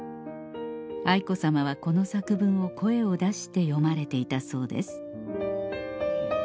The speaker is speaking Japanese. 愛子さまはこの作文を声を出して読まれていたそうです